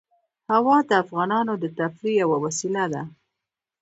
هوا د افغانانو د تفریح یوه وسیله ده.